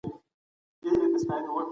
ځوانان باید د هدف لپاره هاند وکړي.